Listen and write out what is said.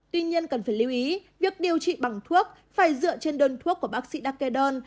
tuy nhiên cần phải lưu ý việc điều trị bằng thuốc phải dựa trên đơn thuốc của bác sĩ đặc kê đơn